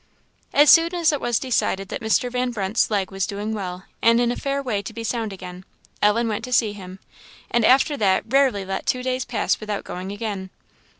As soon as it was decided that Mr. Van Brunt's leg was doing well, and in a fair way to be sound again, Ellen went to see him; and after that rarely let two days pass without going again.